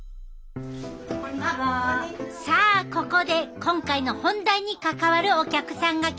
さあここで今回の本題に関わるお客さんが来たで。